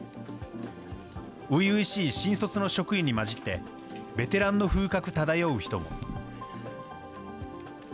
初々しい新卒の職員に交じって、ベテランの風格漂う人も。